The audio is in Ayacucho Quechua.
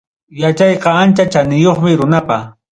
Yachayqa ancha chaniyuqmi runapa.